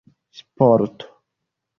sporto